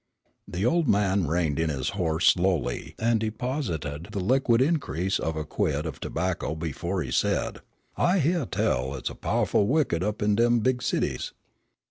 The old man reined in his horse slowly, and deposited the liquid increase of a quid of tobacco before he said; "I hyeah tell it's powahful wicked up in dem big cities."